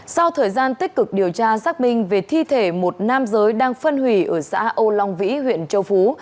sau thời gian tích cực điều tra xác minh về thi thể một nam giới đang phân hủy ở xã âu long vĩ huyện châu phú